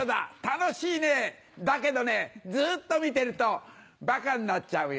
楽しいねだけどねずっと見てるとバカになっちゃうよ。